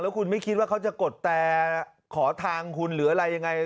คุณไม่คิดว่าเขาจะกดแต่ขอทางคุณหรืออะไรยังไง